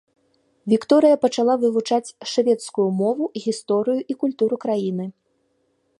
Вікторыя пачала вывучаць шведскую мову, гісторыю і культуру краіны.